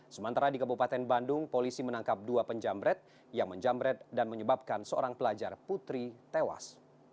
sementara di kabupaten bandung polisi menangkap dua penjamret yang menjamret dan menyebabkan seorang pelajar putri tewas